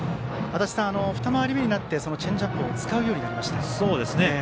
二回り目になってチェンジアップを使うようになりましたね。